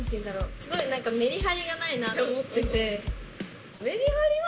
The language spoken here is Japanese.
すごいなんかメリハリがないなって思ってて。